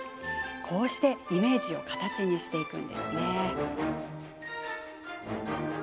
こうしてイメージを形にしていくんですね。